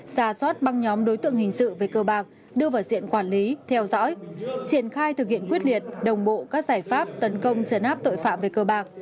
ra soát băng nhóm đối tượng hình sự về cơ bạc đưa vào diện quản lý theo dõi triển khai thực hiện quyết liệt đồng bộ các giải pháp tấn công trấn áp tội phạm về cơ bạc